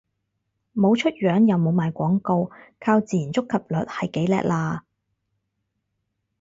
冇出樣又冇賣廣告，靠自然觸及率係幾叻喇